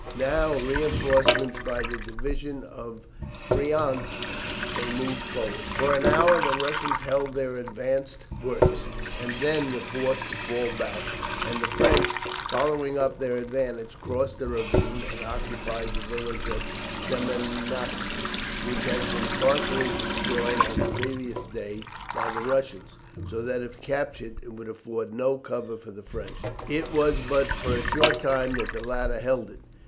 Now, reinforced by the division of Friant, they moved forward. For an hour the Russians held their advanced works, and then were forced to fall back; and the French, following up their advantage, crossed a ravine and occupied the village of Semianotsky, which had been partially destroyed on the previous day by the Russians, so that if captured it would afford no cover to the French. It was but for a short time that the latter held it.